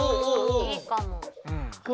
いいかも。